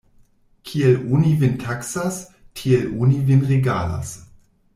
Kiel oni vin taksas, tiel oni vin regalas.